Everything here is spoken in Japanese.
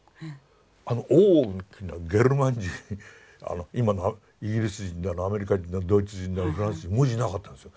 あの大きなゲルマン人今のイギリス人だのアメリカ人だのドイツ人だのフランス人文字なかったんですよ。